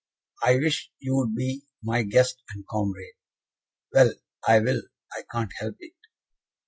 "I wish you would be my guest and comrade." "Well, I will; I can't help it."